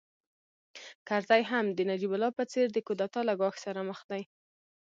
کرزی هم د نجیب الله په څېر د کودتا له ګواښ سره مخ دی